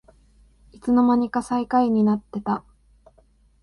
いつのまにか最下位になってた